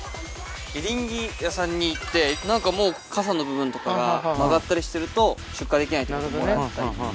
エリンギ屋さんに行って何かもう傘の部分とかが曲がったりしてると出荷できないっていうことでもらったり。